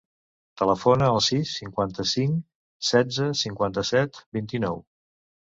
Telefona al sis, cinquanta-cinc, setze, cinquanta-set, vint-i-nou.